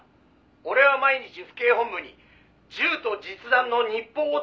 俺は毎日府警本部に銃と実弾の日報を届けてんだ」